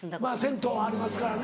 銭湯ありますからね。